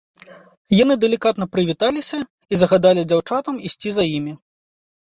Яны далікатна прывіталіся і загадалі дзяўчатам ісці за імі.